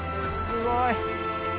すごい。